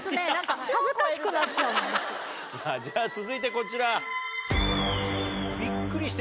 続いてこちら。